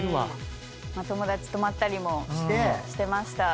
友達泊まったりもしてましたね。